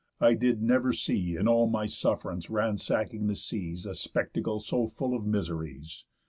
I did never see, In all my suff'rance ransacking the seas, A spectacle so full of miseries.